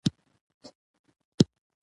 نس ناسته خطرناکه کيداې شي، ژر درملنه وکړئ.